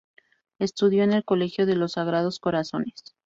Estudió en el Colegio de los Sagrados Corazones.